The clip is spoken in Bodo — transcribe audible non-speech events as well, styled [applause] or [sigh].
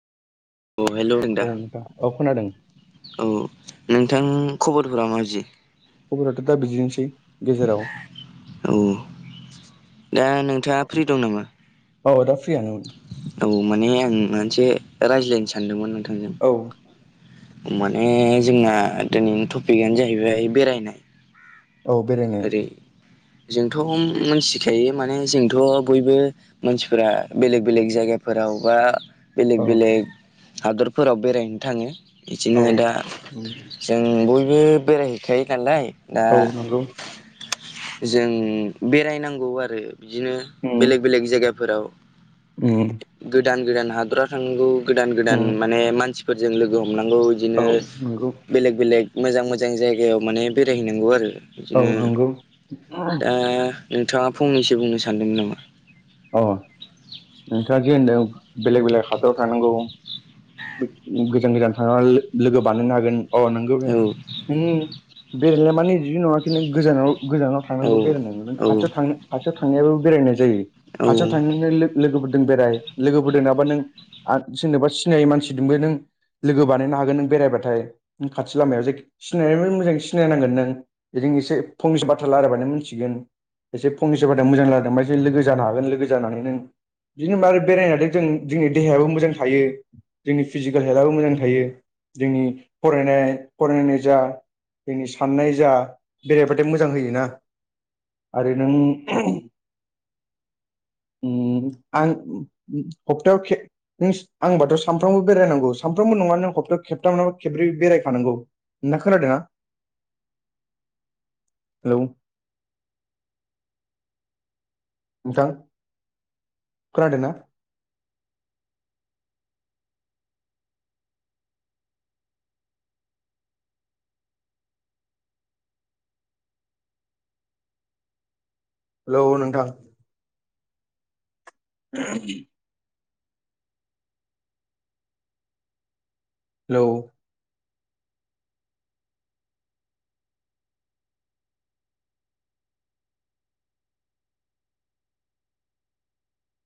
औ हेलौ औ नोंथां औ खोनादों औ नोंथां खबरफोरा मादि खबराथ' दा बिदिनोसै गेजेराव औ दा नोंथाङा फ्रि दं नामा औ दा‌ फ्रियानो औ माने आं मोनसे रायज्लायनो सानदोंमोन नोंथांजों औ ओ माने जोंना दिनैनि टपिकआनो जाहैबाय बेरायनाय औ बेरायनो ओरै जोंथ' मोनथिखायो माने जोंथ' बयबो मानसिफोरा बेलेग बेलेग जायगाफोराव बा बेलेग औ बेलेग हादरफोराव बेरायनो थाङो औ बिदिनो दा जों बयबो बेरायहैखायो नालाय दा औ नोंगौ जों बेरायनांगौ आरो बिदिनो बेलेक बेलेग जायगाफोराव ओम गोदान गोदान हादराव थांनांगौ गोदान गोदान उम माने मानसिफोरजों लोगो हमनांगौ बिदिनो औ नंगौ बेलेक बेलेग मोजां मोजां जायगायाव माने बेरायहैनांगौ आरो औ बिदिनो नंगौ ओ दा नोंथाङा फंनैसो बुंनो सानदोंमोन नामा अ नोंथाङा जे होनदों बेलेग बेलेग हादराव थांनांगौ गोजान गोजान थांनानै लोगो बानायनो हागोन अ नंगौ बे औ बेरायनाय माने जिदि नङा जि नों गोजानाव गोजानाव थांनांगौ औ बेरायनांगौ खाथियाव औ थांनो खाथियाव थांनायाबो बेरायनाय जायो औ खाथियाव थांनो लोगोफोरजों बेराय लोगोफोरजों थाबा नों जेनेबा सिनायै मानसिजोंबो नों लोगो बानायनो हागोन नों बेरायबाथाय नों खाथि लामायाव जे सिनायनानै मोजां सिनायनांगोन नों बिजों एसे फंनैसो बाथ्रा रायब्लानो मिथिगोन एसे फंनैसो बाथ्रा मोजां रायलायलांबासो जों लोगो जानो हागोन हागोन लोगो जानानै नों बिदिनो मारै बेराय जों जोंनि देहायाबो मोजां थायो जोंनि फिजिकेल हेल्थआबो मोजां थायो जोंनि फरायनाय फरायनाय जा जोंनि साननाय जा बेरायबाथाय मोजां होयोना आरो नों आं हप्तायाव खेब नों आंबाथ' सानफ्रामबो बेरायनांगौ सानफ्रामबो नङा नों हप्तायाव खेबथाम बा खेब्रै बेरायखानांगौ नोंथाङा खोनादोंना [inaudible] हेलौ नोंथां खोनादों ना हेलौ नोंथां [inaudible] हेलौ